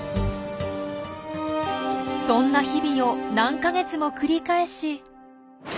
そんな日々を何か月も繰り返し。